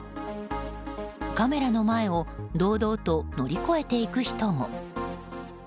カメラの目の前を堂々と乗り越えて行く人も。